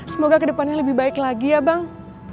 semoga ke depannya lebih baik lagi ya bang